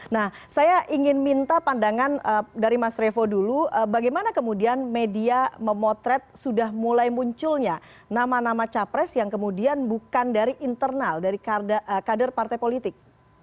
nah saya ingin minta pandangan dari mas revo dulu bagaimana kemudian media memotret sudah mulai munculnya nama nama capres yang kemudian bukan dari internal dari kader partai politik